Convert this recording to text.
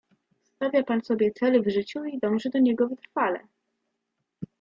"Stawia pan sobie cel w życiu i dąży do niego wytrwale."